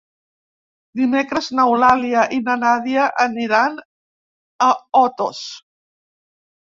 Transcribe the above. Dimecres n'Eulàlia i na Nàdia aniran a Otos.